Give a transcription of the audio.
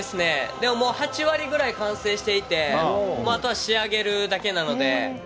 でももう、８割ぐらい完成していて、あとは仕上げるだけなので。